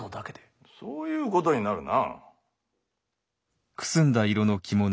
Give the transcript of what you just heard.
そういうことになるな。